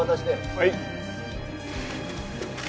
はい。